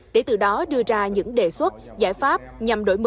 để từ đó đưa ra những đề xuất giải pháp nhằm đổi mới